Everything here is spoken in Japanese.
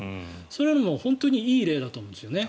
それはもう本当にいい例だと思うんですよね。